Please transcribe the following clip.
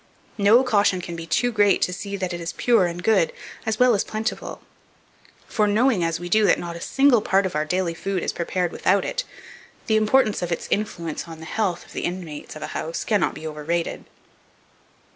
No caution can be too great to see that it is pure and good, as well as plentiful; for, knowing, as we do, that not a single part of our daily food is prepared without it, the importance of its influence on the health of the inmates of a house cannot be over rated.